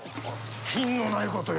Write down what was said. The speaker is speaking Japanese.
品のないことよ。